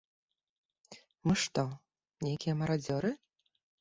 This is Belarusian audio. Мы што нейкія марадзёры?